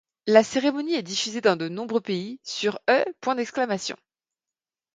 La cérémonie est diffusée dans de nombreux pays, sur E!.